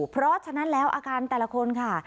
เพราะฉะนั้นแล้วอาการแต่ละคนค่ะ